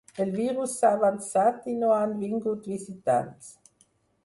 El virus s’ha avançat i no han vingut visitants.